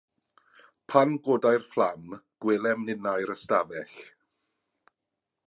Pan godai'r fflam, gwelem ninnau'r ystafell.